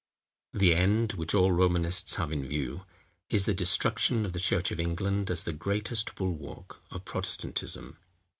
The end, which all Romanists have in view, is the destruction of the church of England as the greatest bulwark of Protestantism.